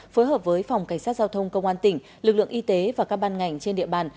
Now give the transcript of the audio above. phối hợp với phòng cảnh sát giao thông công an tỉnh lực lượng y tế và các ban ngành trên địa bàn